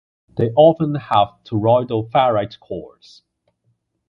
They often have toroidal ferrite cores.